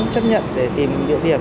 chấp nhận để tìm địa điểm